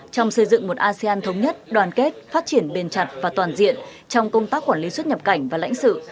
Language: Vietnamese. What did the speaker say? trong xây dựng một asean thống nhất đoàn kết phát triển bền chặt và toàn diện trong công tác quản lý xuất nhập cảnh và lãnh sự